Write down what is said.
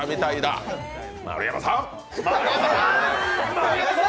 丸山さん！